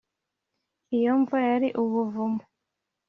Iyo mva yari ubuvumo